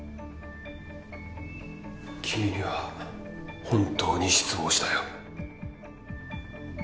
君には本当に失望したよ。